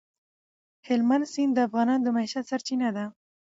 هلمند سیند د افغانانو د معیشت سرچینه ده.